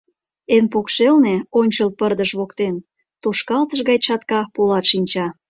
Эн покшелне, ончыл пырдыж воктен, тошкалтыш гай чатка полат шинча.